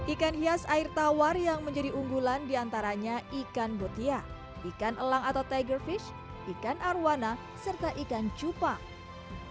ikan hias air tawar yang menjadi unggulan diantaranya ikan botia ikan elang atau tiger fish ikan arowana serta ikan cupang